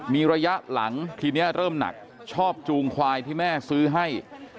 มีระยะหลังทีนี้เริ่มหนักชอบจูงควายที่แม่ซื้อให้